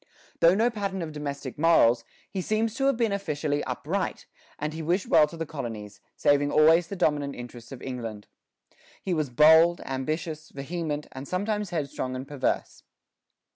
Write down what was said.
Though no pattern of domestic morals, he seems to have been officially upright, and he wished well to the colonies, saving always the dominant interests of England. He was bold, ambitious, vehement, and sometimes headstrong and perverse.